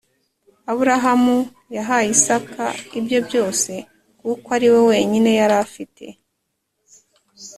Aburahamu yahaye Isaka ibye byose kuko ariwe wenyine yarafite